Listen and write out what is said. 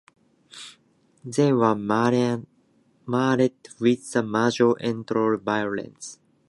They were marred with major electoral violations.